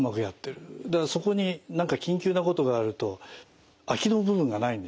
そこに何か緊急なことがあると空きの部分がないんですね。